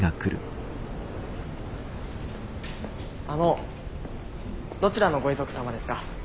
あのどちらのご遺族様ですか？